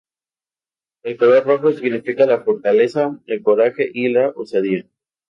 El color Rojo significa la fortaleza, el coraje y la osadía.